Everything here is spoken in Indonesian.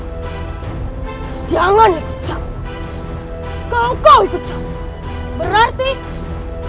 apa yang membuat kisah nak marah terhadap bapak itu